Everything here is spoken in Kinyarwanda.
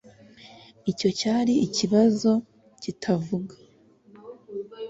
icyo cyari ikibazo kitavuga